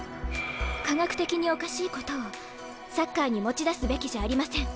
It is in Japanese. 科学的におかしいことをサッカーに持ち出すべきじゃありません。